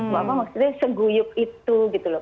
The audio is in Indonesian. maksudnya seguyuk itu gitu loh